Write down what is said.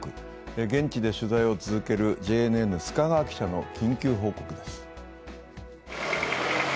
現地で取材を続けるＪＮＮ須賀川記者の緊急報告です。